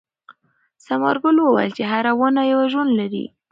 ثمر ګل وویل چې هره ونه یو ژوند لري.